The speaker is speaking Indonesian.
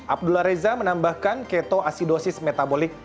abdullah reza menambahkan ketoasidosis metabolik